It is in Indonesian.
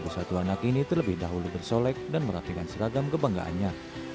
satu anak ini terlebih dahulu bersolek dan meratikan seragam kebanggaannya